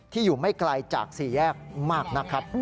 อยู่ไม่ไกลจากสี่แยกมากนะครับ